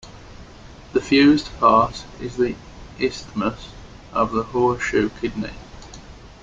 The fused part is the isthmus of the horseshoe kidney.